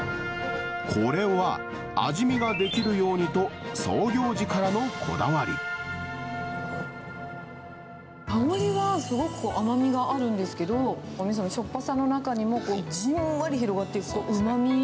これは味見ができるようにと、香りはすごく甘みがあるんですけれども、おみそのしょっぱさの中にもじんわり広がっていくうまみ。